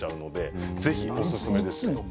ぜひおすすめです。